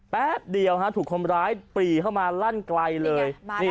แป๊บเดียวถูกคนร้ายปรีเข้ามาลั่นไกลเลย